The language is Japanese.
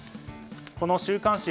この週刊誌